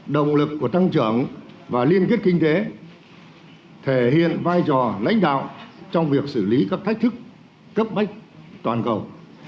động lực của tăng trưởng và liên kết kinh tế thể hiện vai trò lãnh đạo trong việc xử lý các thách thức cấp bách toàn cầu